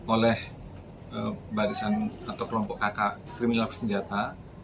oleh barisan atau kelompok kk kriminal pesenjata